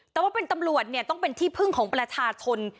แต่ว่าเป็นตำรวจเนี่ยต้องเป็นที่พึ่งของประชาชน